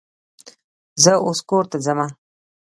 زه اوس کور ته ځمه.